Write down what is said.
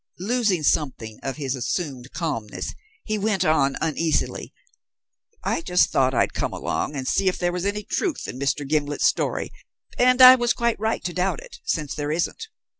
Losing something of his assumed calmness, he went on, uneasily: "I just thought I'd come along and see if there was any truth in Mr. Gimblet's story; and I was quite right to doubt it, since there isn't.